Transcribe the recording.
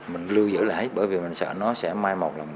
mình lưu giữ lại bởi vì mình sợ nó sẽ mai một lòng